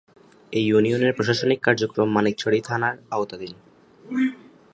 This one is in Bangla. এ ইউনিয়নের প্রশাসনিক কার্যক্রম মানিকছড়ি থানার আওতাধীন।